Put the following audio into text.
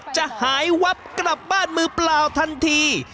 จะหายวับกลับบ้านมือเปล่าทันที